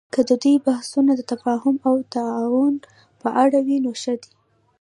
که د دوی بحثونه د تفاهم او تعاون په اړه وي، نو ښه دي